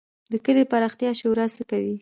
د کلي د پراختیا شورا څه کوي؟